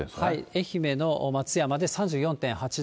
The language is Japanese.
愛媛の松山で３４．８度。